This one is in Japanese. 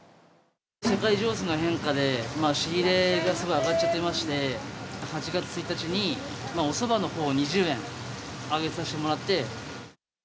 世界情勢の変化で、仕入れがすごい上がっちゃっていまして、８月１日に、おそばのほうを２０円、上げさせてもらって。